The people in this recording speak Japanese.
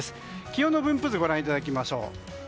気温の分布図ご覧いただきましょう。